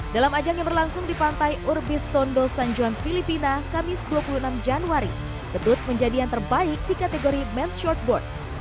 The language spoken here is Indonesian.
dalam ajang yang berlangsung di pantai urbis tondo san juan filipina kamis dua puluh enam januari ketut menjadi yang terbaik di kategori men's shortboard